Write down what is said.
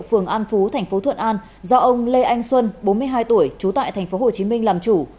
phường an phú tp thuận an do ông lê anh xuân bốn mươi hai tuổi trú tại tp hcm làm chủ